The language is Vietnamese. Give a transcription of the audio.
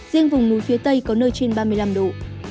riêng vùng núi phía tây có nơi trên ba mươi năm độ